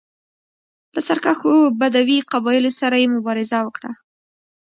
له سرکښو بدوي قبایلو سره یې مبارزه وکړه